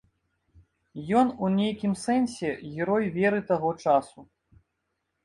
Ён у нейкім сэнсе герой веры таго часу.